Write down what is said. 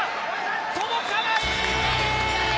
届かない！